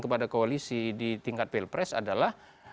kepada koalisi di tingkat pilpres adalah